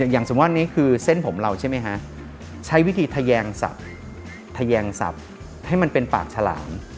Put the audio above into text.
อย่างสมมุตินี้คือเส้นผมเราใช่ไหมฮะใช้วิธีทะแยงทะแยงสับให้มันเป็นปากฉลาม